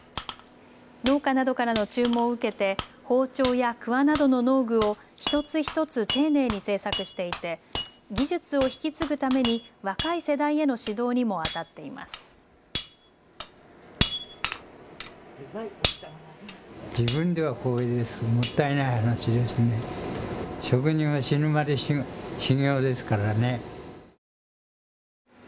農家などからの注文を受けて、包丁やくわなどの農具を一つ一つ丁寧に製作していて技術を引き継ぐために若い世代への指導にも当たっています。